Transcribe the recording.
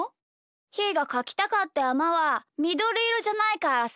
ひーがかきたかったやまはみどりいろじゃないからさ。